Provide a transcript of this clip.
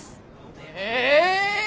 え！